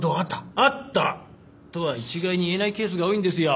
「あった」とは一概にいえないケースが多いんですよ。